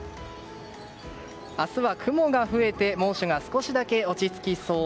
明日は雲が増えて猛暑が少しだけ落ち着きそう。